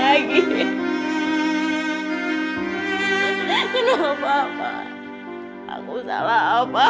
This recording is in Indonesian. tapi berapa punya teman lainnya